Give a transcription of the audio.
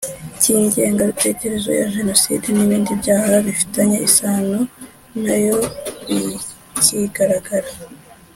cy ingengabitekerezo ya jenoside n ibindi byaha bifitanye isano na yo bikigaragara